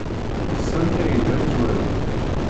D Sami ay d amezwaru.